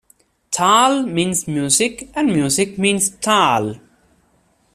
"Taal" means music and music means "Taal".